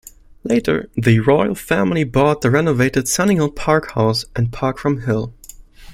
Later the Royal Family bought the renovated Sunninghill Park house and park from Hill.